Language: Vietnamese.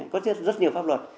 có rất nhiều pháp luật